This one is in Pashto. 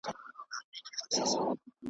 یوه زرکه یې له لیري وه لیدلې .